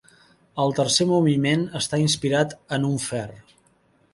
El tercer moviment està inspirat en un fer.